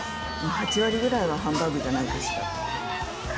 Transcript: ８割くらいはハンバーグじゃないかしら？